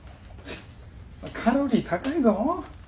カロリー高いぞ。